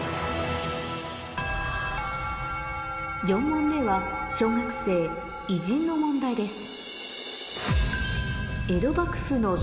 ４問目は小学生偉人の問題です